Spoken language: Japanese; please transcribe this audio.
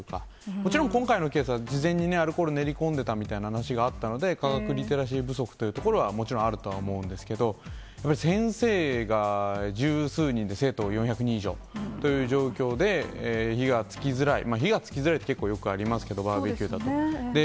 もちろん今回のケースは、事前にアルコール練り込んでたみたいな話があったので、科学リテラシー不足というところはもちろんあるとは思うんですけど、やっぱり先生が十数人で、生徒４００人以上という状況で、火がつきづらい、火がつきづらいって結構よくありますけど、バーベキューだと。